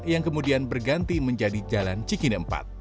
yang kemudian berganti menjadi jalan cikini empat